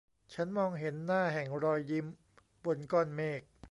ฉันมองเห็นหน้าแห่งรอยยิ้มบนก้อนเมฆ